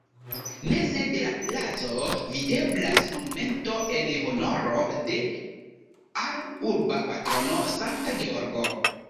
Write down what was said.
Meze de la placo videblas monumento en honoro de al urba patrono Sankta Georgo.